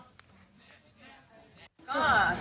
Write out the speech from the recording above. ก็ตามกระแสพ่อเจ้าหรือเมษันนิว่าเนี่ย